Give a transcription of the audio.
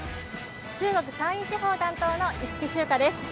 中国山陰地方担当の市来秋果です。